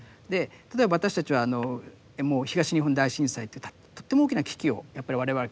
例えば私たちはもう東日本大震災というとっても大きな危機をやっぱり我々経験した。